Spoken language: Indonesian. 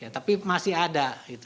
tapi masih ada